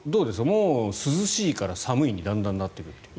もう涼しいから寒いにだんだんなってくるという。